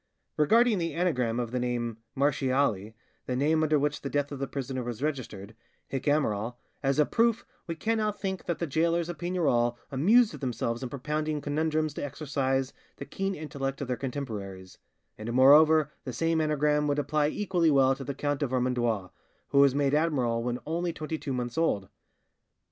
Regarding the anagram of the name Marchiali (the name under which the death of the prisoner was registered), 'hic amiral', as a proof, we cannot think that the gaolers of Pignerol amused themselves in propounding conundrums to exercise the keen intellect of their contemporaries; and moreover the same anagram would apply equally well to the Count of Vermandois, who was made admiral when only twenty two months old.